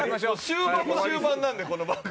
終盤も終盤なんでこの番組。